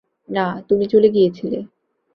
না, তুমি চলে গিয়েছিলে।